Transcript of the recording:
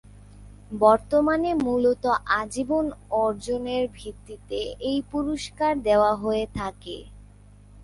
বর্তমানে মূলত আজীবন অর্জনের ভিত্তিতে এই পুরস্কার দেয়া হয়ে থাকে।